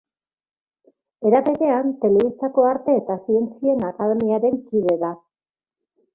Era berean, Telebistako Arte eta Zientzien Akademiaren kide da.